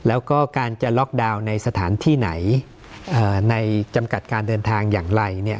แล้วก็การจะล็อกดาวน์ในสถานที่ไหนในจำกัดการเดินทางอย่างไรเนี่ย